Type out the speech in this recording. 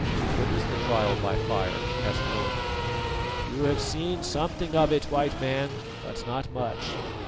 "What is the trial by fire?" asked Owen. "You have seen something of it, White Man, but not much.